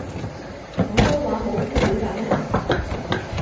廣州話冇呢個表達咩